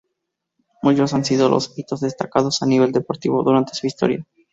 Muchos han sido los hitos destacados a nivel deportivo durante su historia.